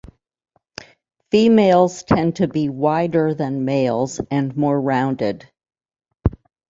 Females tend to be wider than males and more rounded.